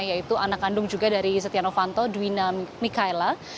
yaitu anak kandung juga dari setia novanto dwina mikaela